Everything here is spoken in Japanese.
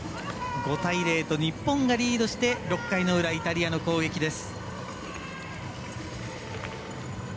５対０と日本がリードして６回の裏、イタリアの攻撃です。